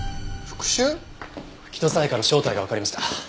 木戸沙也加の正体がわかりました。